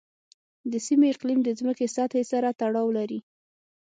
د سیمې اقلیم د ځمکې سطحې سره تړاو لري.